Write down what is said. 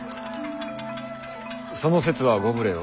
その節はご無礼を。